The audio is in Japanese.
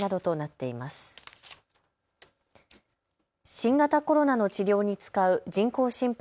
新型コロナの治療に使う人工心肺